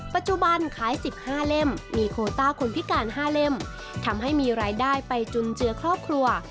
ปัจจุบันขาย๑๕เล่มมีโคต้าคนพิการ๕เล่มทำให้มีรายได้ไปจุนเจือครอบครัว